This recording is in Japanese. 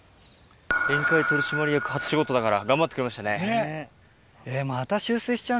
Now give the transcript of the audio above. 宴会取締役初仕事だから頑張ってくれましたね。